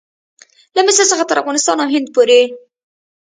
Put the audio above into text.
له مصر څخه تر افغانستان او هند پورې.